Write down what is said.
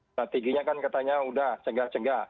strateginya kan katanya sudah cegah cegah